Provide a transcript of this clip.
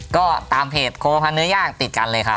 ก็ตามเพจโครพันธ์เนื้อย่างติดกันเลยค่ะ